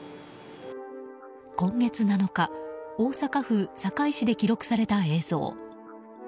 今月７日大阪府堺市で記録された映像。